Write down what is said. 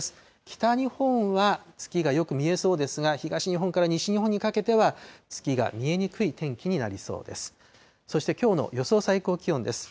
北日本は月がよく見えそうですが、東日本から西日本にかけては、月が見えにくい天気になりそうです。